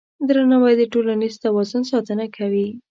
درناوی د ټولنیز توازن ساتنه کوي.